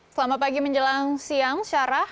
selamat pagi menjelang siang syarah